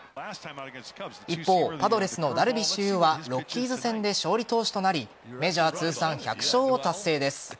一方、パドレスのダルビッシュ有はロッキーズ戦で勝利投手となりメジャー通算１００勝を達成です。